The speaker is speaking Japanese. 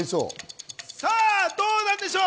どうなんでしょう？